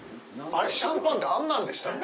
シャンパンってあんなんでしたっけ？